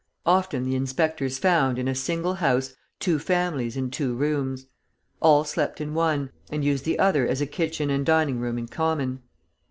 Often the inspectors found, in a single house, two families in two rooms. All slept in one, and used the other as a kitchen and dining room in common.